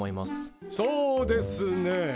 そうですね。